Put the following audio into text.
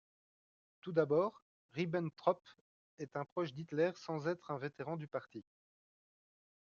Tout d'abord, Ribbentrop est un proche de Hitler sans être un vétéran du parti.